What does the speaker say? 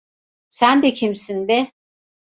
Sen de kimsin be?